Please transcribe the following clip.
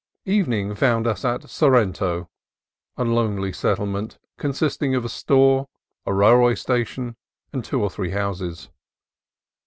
Evening found us at Sorrento, a lonely settlement consisting of a store, a railway station, and two or three houses.